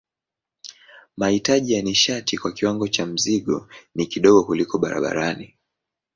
Mahitaji ya nishati kwa kiwango cha mzigo ni kidogo kuliko barabarani.